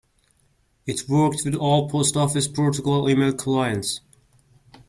It worked with all Post Office Protocol email clients.